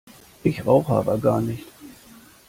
Ich rauche aber gar nicht!